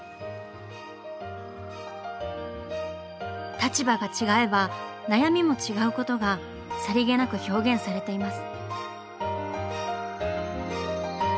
立場が違えば悩みも違うことがさりげなく表現されています。